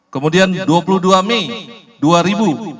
kemudian dua puluh dua mei dua ribu dua